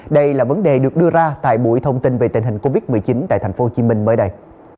đây là vấn đề được đưa ra tại buổi thông tin về tình hình covid một mươi chín tại tp hcm mới đây